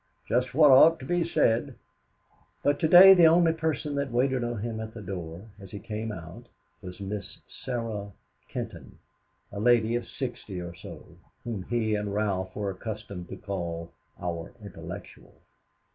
Just what ought to be said," but to day the only person that waited on him at the door as he came out was Miss Sarah Kenton, a lady of sixty or so, whom he and Ralph were accustomed to call, "Our Intellectual."